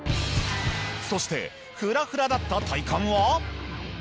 そしてフラフラだった体幹は？